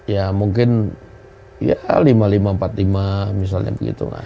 ya mungkin ya lima ribu lima ratus empat puluh lima misalnya begitu